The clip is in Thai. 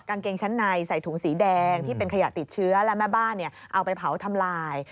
กางเกงชั้นในใส่ถุงสีแดงที่เป็นขยะติดเชื้อและแม่บ้านเอาไปเผาทำลาย